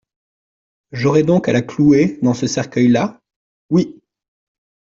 J'aurai donc à la clouer dans ce cercueil-là ? Oui.